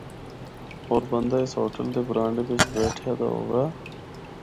ہور بندہ اس ہوٹل دے برانڈے بچ بیٹھ یا دا ہوا۔